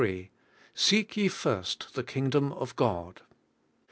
—Seek ye first the kingdom of God.